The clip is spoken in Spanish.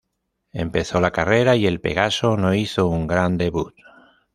Empezó la carrera y el Pegaso no hizo un gran debut.